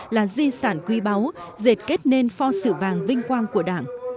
là di sản quy báu dệt kết nên pho sự vàng vinh quang của đảng